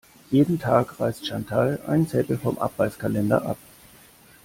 Jeden Tag reißt Chantal einen Zettel vom Abreißkalender ab.